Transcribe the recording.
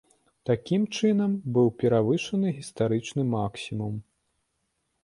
Такім чынам, быў перавышаны гістарычны максімум.